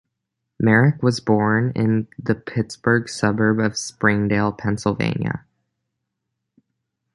Merrick was born in the Pittsburgh suburb of Springdale, Pennsylvania.